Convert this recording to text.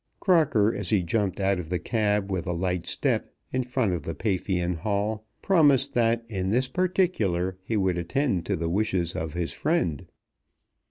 Crocker, as he jumped out of the cab with a light step in front of the Paphian Hall, promised that in this particular he would attend to the wishes of his friend.